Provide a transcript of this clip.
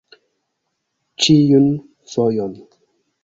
Ĉiun fojon!